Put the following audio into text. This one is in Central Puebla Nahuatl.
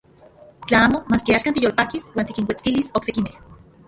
Tla amo, maski axkan tiyolpakis uan tikinuetskilis oksekimej.